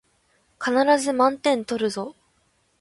必ず満点取るぞ